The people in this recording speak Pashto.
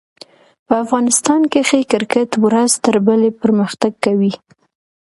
په افغانستان کښي کرکټ ورځ تر بلي پرمختګ کوي.